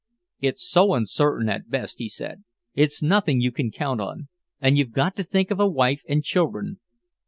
"It's so uncertain at best," he said. "It's nothing you can count on. And you've got to think of a wife and children.